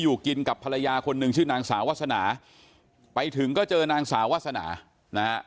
อยู่กินกับภรรยาคนหนึ่งชื่อนางสาววาสนาไปถึงก็เจอนางสาววาสนานะฮะ